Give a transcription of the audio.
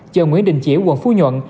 chợ nguyễn đình chỉa quận phú nhuận